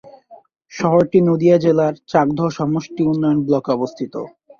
শহরটি নদিয়া জেলার চাকদহ সমষ্টি উন্নয়ন ব্লকে অবস্থিত।